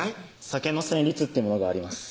酒の旋律ってものがあります